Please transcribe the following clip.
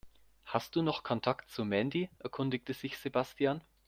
Hast du noch Kontakt zu Mandy?, erkundigte sich Sebastian.